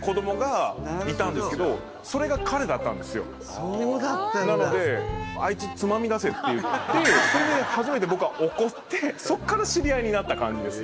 そうだったんだ！って言ってそれで初めて僕は怒ってそっから知り合いになった感じです。